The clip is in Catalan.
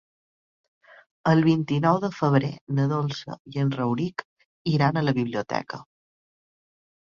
El vint-i-nou de febrer na Dolça i en Rauric iran a la biblioteca.